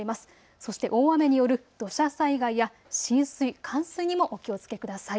そして大雨による土砂災害や浸水、冠水にもお気をつけください。